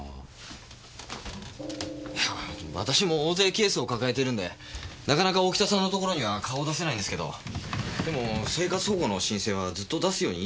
いや私も大勢ケースを抱えてるんでなかなか大北さんの所には顔を出せないんですけどでも生活保護の申請はずっと出すように言い続けてるんです。